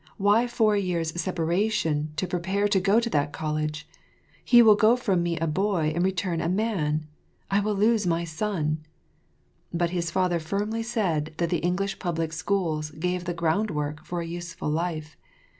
Why four years' separation to prepare to go to that college? He will go from me a boy and return a man. I will lose my son." But his father firmly said that the English public schools gave the ground work for a useful life.